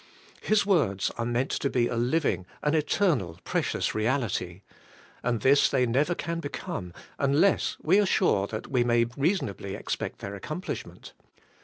His words are meant to be a living, an eternal precious reality. And this they can never become unless we are sure that we may reasonably expect their accom plishment.